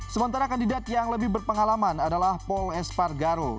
sementara kandidat yang lebih berpengalaman adalah paul espargaro